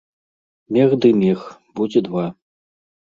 Мех ды мех, будзе два.